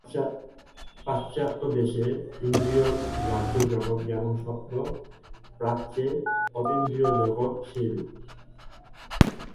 পাশ্চাত্য দেশে ইন্দ্রীয়গ্রাহ্য জগৎ যেমন সত্য, প্রাচ্যে অতীন্দ্রিয় জগৎ সেইরূপ।